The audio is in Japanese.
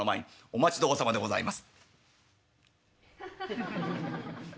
「お待ち遠さまでございます」。